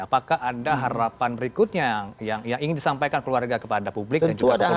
apakah ada harapan berikutnya yang ingin disampaikan keluarga kepada publik dan juga pemerintah